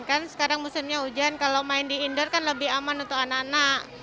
kan sekarang musimnya hujan kalau main di indoor kan lebih aman untuk anak anak